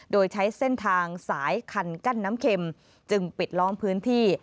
โดยใช้เส้นทางสายคันกั้นน้ำเข็มจึงปิดล้อมพื้นที่